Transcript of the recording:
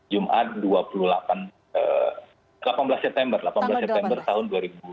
jumat dua puluh delapan delapan belas september tahun dua ribu sembilan belas